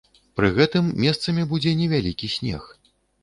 Пры гэтым месцамі будзе невялікі снег.